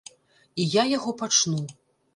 І я яго пачну.